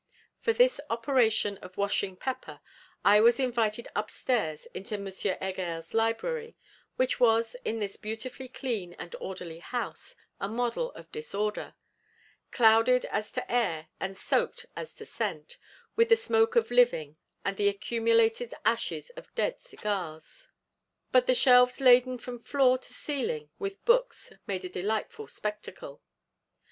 For this operation of washing Pepper, I was invited upstairs into M. Heger's library, which was, in this beautifully clean and orderly house, a model of disorder; clouded as to air, and soaked as to scent, with the smoke of living and the accumulated ashes of dead cigars. But the shelves laden from floor to ceiling with books made a delightful spectacle.